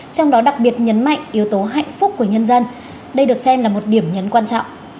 trong đó đặc biệt nhấn mạnh yếu tố hạnh phúc của nhân dân đây được xem là một điểm nhấn quan trọng